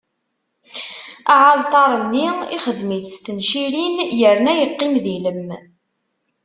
Aɛalṭar-nni, ixdem-it s tencirin, yerna yeqqim d ilem.